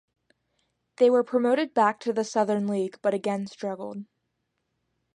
They were promoted back to the Southern League, but again struggled.